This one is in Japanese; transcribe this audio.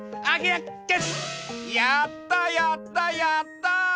やったやったやった！